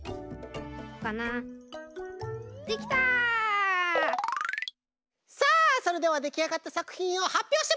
さあそれではできあがったさくひんをはっぴょうしてもらいましょう！